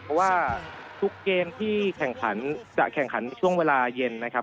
เพราะว่าทุกเกมที่แข่งขันจะแข่งขันช่วงเวลาเย็นนะครับ